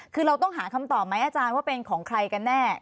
คือเราต้องหาคำตอบไหมอาจารย์ว่าเป็นของใครกันแน่